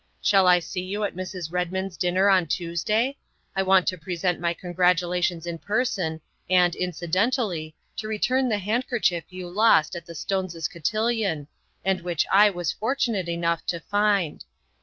Shall 1 see you at Mrs. Redmond's dinner on Tuesday? I want to present my congratulations in person and, incidentally, to return the handkerchief you lost at the Stones' cotillion and which I was fortunate enough to find.